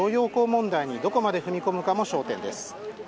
問題にどこまで踏み込むかも焦点です。